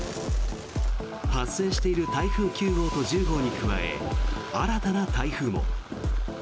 発生している台風９号と１０号に加え新たな台風も。